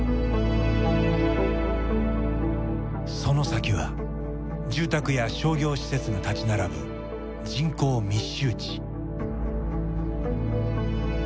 その先は住宅や商業施設が立ち並ぶ人口密集地。